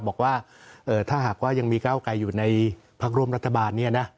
บอกว่าถ้าหากว่ายังมีก้าวไกลอยู่ในพักร่วมรัฐบาลเนี่ยนะ